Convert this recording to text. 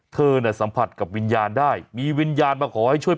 เธอน่ะสัมผัสกับวิญญาณได้มีวิญญาณมาขอให้ช่วย